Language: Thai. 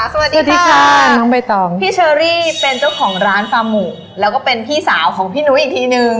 สวัสดีค่ะน้องใบตองพี่เชอรี่เป็นเจ้าของร้านฟาร์หมูแล้วก็เป็นพี่สาวของพี่นุ้ยอีกทีนึง